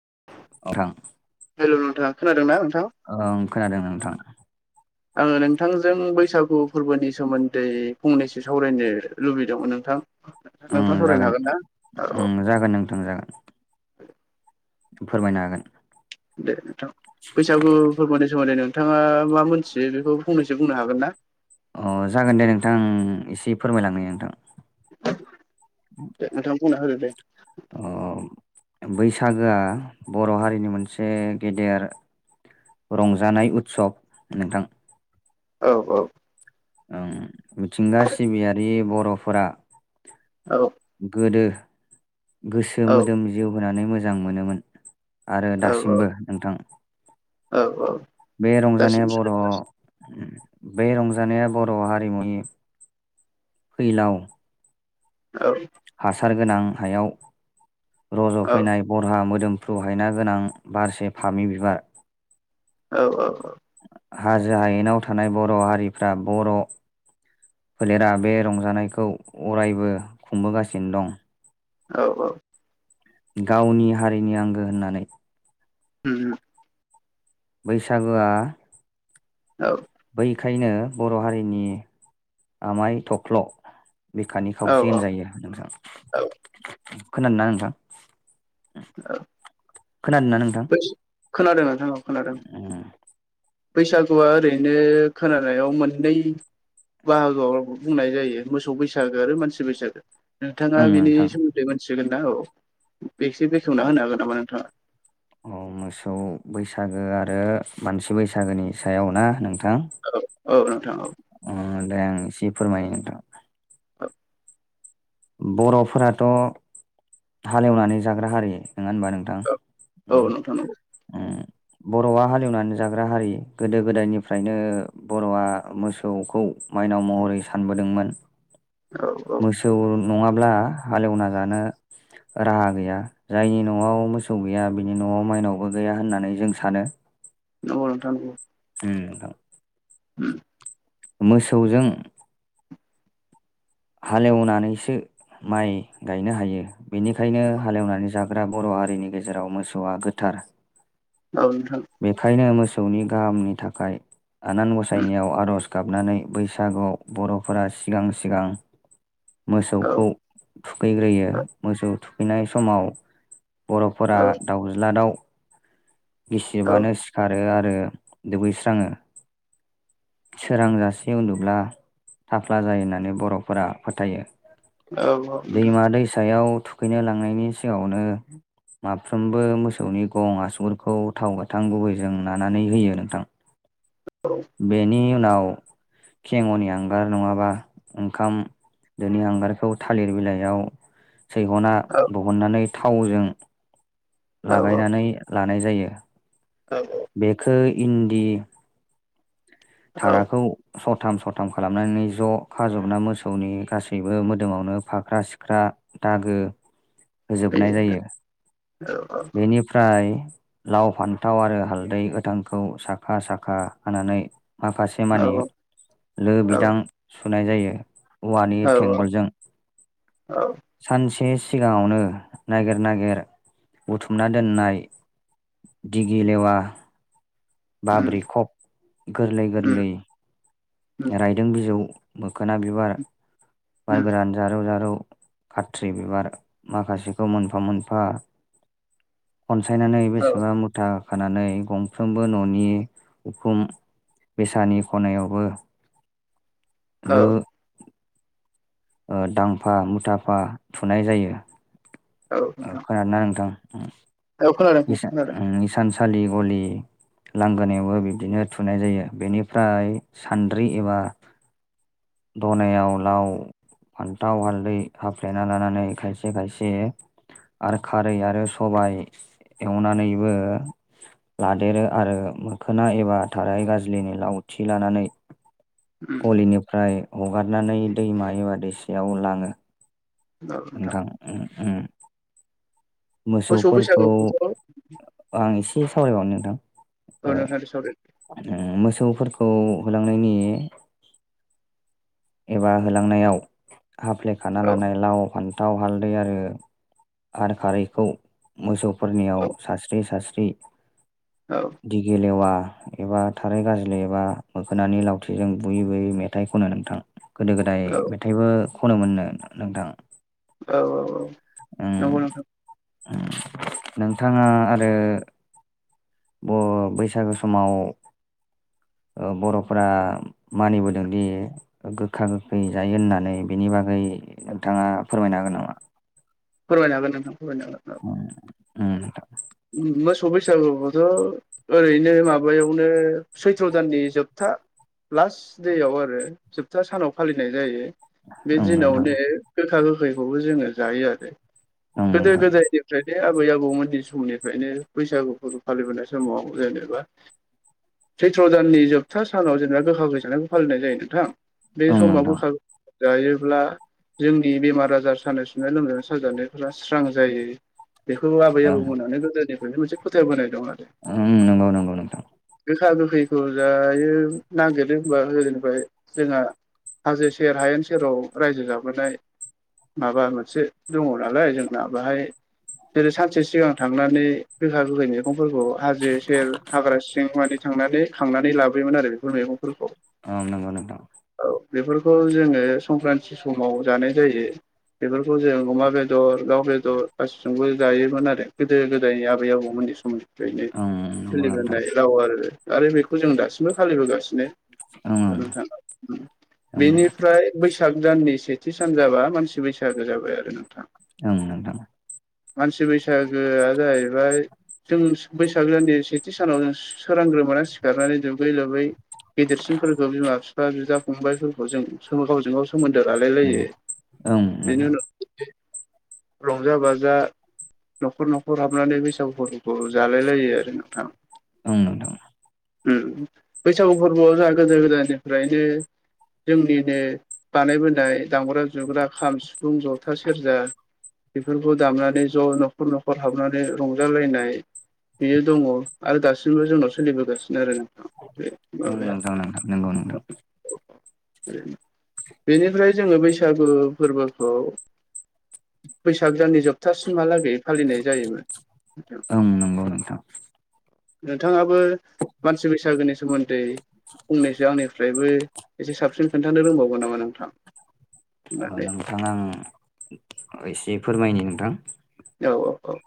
[unintelligible] हेल' नोंथा खोनादों नोंथां? ओं खोनादों नोंथां। आङो नोंथांजों बैसागु फोरबोनि सोमोन्दै फंनैसो सावरायनो लुबैदोंमोन नोंथां। ओं नोंथाङा सावरायनो जागोन हागोन ना? औ-औ। ओं जागोन नोंथां जागोन फोरमायनो हागोन। दे नोंथां बैसागु फोरमायदो सोमोन्दै नों नोंथाङा मा मोनथियो बेखौ फंनैसो बुंनो हागोन ना? अ जागोन दे नोंथां एसे फोरमायलांनो नोंथां। [unintelligible] दे नोंथां बुंना होदो दे। अ बैसागोआ बर' हारिनि मोनसे गेदेर रंजानाय उत्सब नोंथां। औ-औ। ओं मिथिंगा सिबियारि बर'फोरा औ गोदो गोसो मोदोम जिउ होनानै मोजां मोनोमोन। आरो औ दासिमबो नोंथां औ औ बे रंजानाया बर' गासिबो अम बे रंजानाया बर' हारिमुनि फैलाव औ। हासार गोनां हायाव औ रज'फैनाय बरहा मोदोम प्रुहायना गोनां बारसे फामि बिबार। औ-औ-औ हाजो हायेनाव थानाय बर' हारिफ्रा बर' फोलेरा बे रंजानायखौ अरायबो खुंबोगासिनो दं। औ-औ गावनि हारिनि आंगो होननानै अम-अम। बैसागुआ औ। बेखायनो बर' हारिनि आमाय थफ्ल'। बिखानि औ खावसे होन जायो नोंथां औ [unintelligible] खोनादों ना नोंथां? औ। खोनादोंना नोंथां खोनादों नोंथां औ खोनादों बैसागुआ ओरैनो खोनानायाव मोननै बाहागोआवो बुंनाय जायो मोसौ बैसागो आरो मानसि बैसागो नोंथाङा ओं बेनि नोंथां सोमोन्दै मोनथिगोन ना औ बेसे बेखेवना होनो हागोन नामा नोंथाङा औ मोसौ बैसागो आरो मानसि बैसागोनि सायाव ना नोंथां औ औ नोंथां औ नै आं एसे फोरमायनि नोंथां बर'फोराथ' हालेवनानै जाग्रा हारि नङा होनबा औ नंगौ नोंथां बर'आ हालेवनानै जाग्रा हारि गोदो गोदायनिफ्रायनो बर'आ मोसौखौ माइनाव महरै सानबोदोंमोन औ औ मोसौ नङाब्ला हालेवना जानो राहा गैया जायनि न'आव मोसौ गैया बिनि न'आव माइनावबो गैया होननानै जों सानो नंगौ नोंथां [inaudible] [inaudible] मोसौजों हालेवनानैसो माइ गायनो हायो बेनिखायनो हालेवनानै जागोन हाग्रा बर' हारिनि गेजेराव मोसौआ गोथार औ नोंथां बेखायनो मोसौनि गाहामनि थाखाय आनान गसायनायाव आर'ज गाबनानै बैसागुआव बर'फोरा सिगां सिगां औ मोसौखौ थुखैग्रोयो मोसौ थुखैनाय समाव बर'फोरा औ दाउज्ला दाउ गिसिबानो औ सिखारो आरो दुगैस्राङो सोरां जाासे उन्दुब्ला थाफ्ला जायो होननानै बर'फोरा फोथायो औ औ नोंथां दैमा दैसायाव थुखैनो लांनायनि सिगाङावनो माफ्रोमबो मोसौनि गं आसुगुरखौ गोथाव गोथां गुबैजों नानानै होयो नोंथां औ बेनि उनाव खेंग'नि आांगार नङाबा ओंखाम दिनै हांगारखौ थालिर बिलाइयाव सैहना दिहननानै थावजों औ औ लागायनानै लानाय जायो बेखौ इन्दि औ थाराखौ सथाम सथाम खालामनानै ज' खाजबना मोसौनि गासैबो मोदोमावनो फाख्रा सिख्रा दागो [inaudible] होजोबनाय फैयो जायो। औ बेनिफ्राय लाव फान्थाव आरो हालदै गोथांखौ साखा साखा होनानानै माखासे मानि लो औ बिदां सुनाय जायो औवानि औ टेंगलजों औ सानसे सिगाङावनो नागिर नागिर बुथुमना दोननाय दिगि लेवा उम बाब्रै खब गोरलै उम गोरलै उम रायदों बिजौ मोखोना बिबार बार उम गोरान जारौ जारौ खाथ्रि बिबार माखासेखौ मोनफा मोनफा अनसायनानै औ बेसेबा मुथा खानानै गंफ्रोमबो न'नि उखुम बेसानि खनायावबो औ [inaudible] ओ दांफा मुथाफा थुनाय जायो। औ ओ नोंथां खोनांदों ना नोंथां? उम। औ खोनादों इस खोनादों उम इसानसालि गलि लांगोनायावबो बिब्दिनो थुनाय जायो। बेनिफ्राय सान्द्रि एबा दनायाव लाव फान्थाव हालदै हाफ्लेना लानानै खायसे खायसे आरो खारै आरो सबाय एवनानैबो लादेरो आरो मोखोना एबा थाराय गाज्लिनि लावथि लानानै उम गलिनिफ्राय हगारनानै दैमा एबा दैैसायाव लाङो। औ नोंथां नोंथां उम उम। मोसौ मोसौफोरखौ बैसागुखौथ' आं एसे सावरायबावनो। औ ओ नोंथां सरि उम मोसौफोर खौ होलांनायनि एबा होलांनायाव हाफ्लेखाना औ लानाय लाव फान्थाव हालदै आरो हार खारै खौ मोसौफोरनियाव औ सास्रि सास्रि औ दिगेलेवा एबा थारै गाज्लि एबा मोखोनानि लावथिजों बुयै बुयै मेथाइ खनो नोंथां। गोदो गोदाय औ मेथाइबो खनो मोननो नोंथां। औ औ औ उम नंगौ नोंथां। नोंथाङा आरो ब' बैसागो समाव ओ बर'फोरा मानि बोदोंदि गोखा गोखै जायो होननानै बिनि बागै नोंथाङा फोरमायनो हागोन नामा? फोरमायनो हागोन नोथां। उम। मोसौ बैसागुखौथ' ओरैनो माबायावनो सैत्र दाननि जोबथा लास्ट डेआव आरो जोबथा सानाव फालिनाय जायो। बे उम नोंथां दिनावनो गोखा गोखैखौबो जोङो जायो आरो। ओं गोदो नोंथां गोदायनिफ्रायनो आबै आबौमोन दिन समनि फ्रायनो बैसागु फोरबो फालिबोनाय समाव जेनोबा सैत्र दाननि जोबथा सानाव जेनेबा गोखा फैसानायखौ फालिनाय जायो नोंथां। बे ओं समाव नोंथां गोखा [unintelligible] जायोब्ला जोंनि बेमार आजार सानाय सुनाय लोमजानाय साजानायफोरा स्रां जायो बेखौबो आबै आबौ ओं मोनानो गोदोनिफ्रायनो मोनसे फोथाय बोनाय ओं नंगौ नंगौ नोंथां। गोखा गोखैखौ जायो नागिरो होनबा गोदोनिफ्राय जोंहा हाजो सेर, हायेन सेराव रायजो जाबोनाय माबा मोनसे दङ' नालाय जोंना बाहाय जेरै सानसे सिगां थांना नै गोखा गोखै मैगंफोरखौ हाजो सेर हाग्रा सिं माने थांनानै खांनानै लाबोयोमोन आरो बेफोर मैगंफोरखौ। उम नंगौ नोंथां। औ बेफोरखौ जोङो संक्रान्ति समाव जानाय जायो। बेफोरखौ जों अमा बेदर, दाउ बेदर गासिजोंबो जायोमोन आरो गो दो गोदाय आबै आबौमोनि समनिफ्रायनो ओं नंगौ नोंथां सोलिबोनाय राव आरो। आरो बेखौ जों दासिमबो फालिबोगासिनो। ओं ओं नोंथां बेनिफ्राय बैसाग दाननि से थि सान जाबा मानसि बैसागो जाबाय आरो नोंथां। उम नोंथां। मानसि बैसागोआ जायैबाय जों बैसाग दाननि सेथि सानाव जों सोरांग्रोमोना सिखारनानै दुगै लोबै गेदेरसिनफोरखौ बिमा बिफा बिदा फंबायफोरखौ जों गावजों गाव सोमोन्दो ओं लालायलायो ओं नोंथां बेनि उनाव रंजा - बाजा न'खर न'खर हाबनानै बैसागुफोरखौ जालाय लायो आरो नोंथां। ओं नोंथां। उम बैसागु फोरबोआव जोंहा गोदो गोदायनिफ्रायनो जोंनिनो बानायबोनाय दामग्रा जुग्रा खाम, सिफुं, जथा, सेरजा बेफोरखौ दामनानै ज' न'खर न'खर हाबनानै रंजालायनाय बियो दङ आरो दासिमबो जोंनाव सोलिबोगासिनो आरो। नोंथां बे माबाया [unintelligible] बेनिफ्राय जोङो बैसागु फोरबोखौ बैसाग जाननि जोबथासिमहालागै फालिनाय जायोमोन। ओं नंगौ नोंथां नोंथाङाबो मानसि बैसागोनि सोमोन्दै फंनैसो आंनिफ्रायबो एसे साबसिन खोन्थानो रोंबावगोन नामा नोंथां। होननानै नोंथां आं एसे फोरमायनि नोंथां। औ औ औ।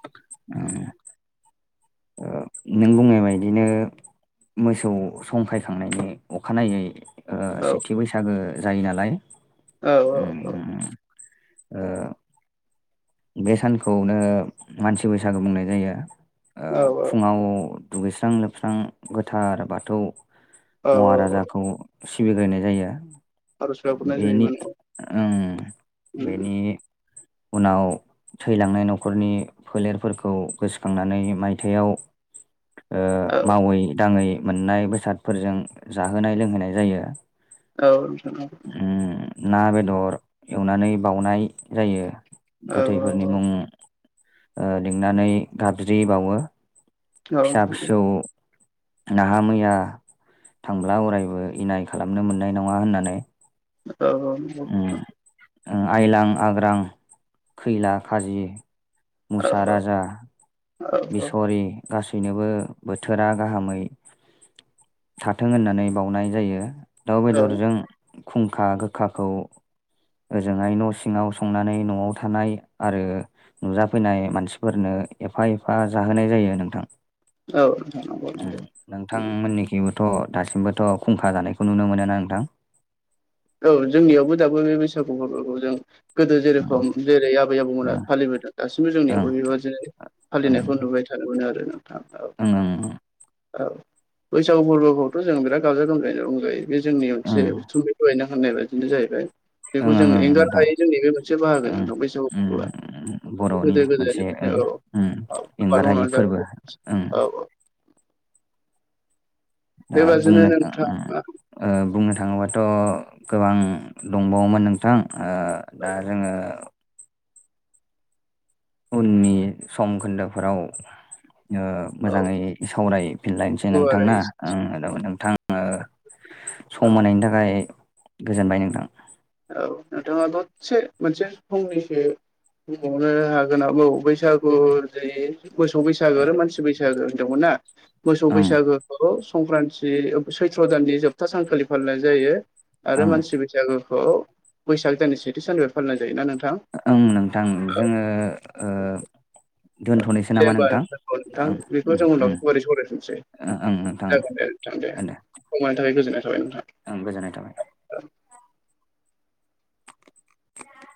औ। नों बुंनाय बादिनो मोसौ संखायखांनायनि अखानायै ओ औ सेथि बैसागो जायो नालाय औ औ उम औ। उम ओ। बे सानखौनो मानसि बैसागो बुंनाय जायो ओ औ फुङाव दुगैस्रां लोबस्रां गोथार बाथौ औ औ महाराजाखौ सिबिग्रायनाय जायो। आर'ज गाबहरनाय बेनि जायोमोन ओम बेनि उनाव थैलांनाय न'खरनि फोलेरफोरखौ गोसोखांनानै मायथायाइयाव औ मावै दाङै मोननाय बेसादफोरजों जाहोनाय लोंहोनाय जायो। उम औ। ना बेदर एवनानै बाउनाय जायो औ औ गोथैफोरनि मुं ओ लेंनानै गाबज्रि बावो औ औ फिसा - फिस नाहा मैया थांब्ला अरायबो इनाय खालामनो मोननाय नङा होननानै औ - औ उम नोंथां। आइलां आग्रां खैला खाजि मुसा राजा औ औ बिसरि गासैनोबो बोथोरा गाहामै थाथों होननानै बावनाय जायो दाउ औ बेदरजों खुंखा गोखाखौ ओजोंहाय न' सिङाव संनानै न'आव थानाय आरो नुजाफैनाय मानसिफोरनो एफा एफा जाहोनाय जायो नोंथां। औ नोंथां नंगौ नंगौ नोंथांमोननिखिबो थ' दासिमबोथ' खुंखा जानायखौ नुनो मोनो नोंथां। औ जोंनियावबो दाबो बे बैसागु फोरबोखौ जों गोदो उम जेरखम जेरै आबै आबौमोना ओं फालिबोदों दासिमबो जोंनि ओं बेबादिनो फालिनायखौ नुबाय थादों मोनो आरो। नोंथां औ उम - उम। औ बैसागु फोरबोखौथ' जों बिराद गाजा गोमजायैनो रंजायो बे जोंनि ओं मोनसे ओं उथुमै दहायनो होननाय बायदिनो जाहैबाय। बेखौ जों ओं ओं एंगारनो नोंथां हायो जोंनि बे मोनसे बाहागो ओं नोंथां बैसागु फोरबोआ उम बर'नि गोदो मोनसे ओं गोदायनिफ्रायनो औ उम औ आबाद एंगारहायि मावनानै फोरबो जाबोदों ओं औ औ। दा बेबादिनो बुंनो थां नोंथाङा ओ बुंनो थाङोबाथ' गोबां दंबावोमोन नोंथां ओ दा जोङो उननि सम खोन्दोफोराव ओ औ मोजाङै सावरायफिनलायनोसै नोंथांना गुवारै ओ नोंथां ओ सम मोनायनि थाखाय गोजोनबाय नोंथां। औ नोथाङा दसे मोनसे फंनैसो बुंबावनो हागोन बौ बैसागु जे मोसौ बैसागो आरो मानसि बैसागो होनदोंमोन ना मोसौ ओं बैसागोखौ संक्रान्ति सैथ्र' दाननि जोबथा सानखालि फालिनाय जायो आरो ओं मानसि बैसागु खौ बैसाग दाननि सेथि साननिफ्राय फालि जायो दा नोंथां। ओं नोंथां जोङो ओ दोनथ'नोसै दे नामा होमबा नोंथां दोनथ' नोंथां ओं बेखौ ओं जों उनाव गुवारै सावरायफिनसै। ओं ओं नोंथां जागोन दे नोंथां दे। सम होनायनि थाखाय गोजोननाय थाबाय नोंथां ओं गोजोननाय थाबाय।